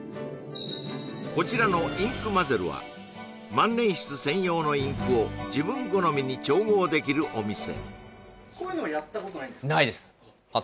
こちらのｉｎｋｍａｚｅｒｕは万年筆専用のインクを自分好みに調合できるお店